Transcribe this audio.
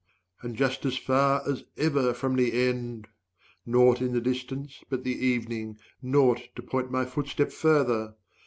And just as far as ever from the end! Naught in the distance but the evening, naught To point my footstep further!